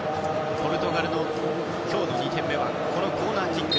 ポルトガルの今日の２点目はコーナーキック。